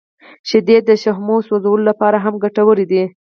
• شیدې د شحمو سوځولو لپاره هم ګټورې دي.